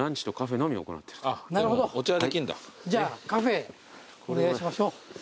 じゃあカフェお願いしましょう。